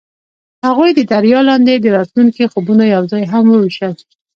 هغوی د دریا لاندې د راتلونکي خوبونه یوځای هم وویشل.